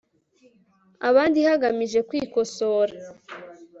abandi hagamijwe kwikosora